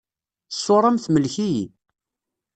Ssura-m temlek-iyi.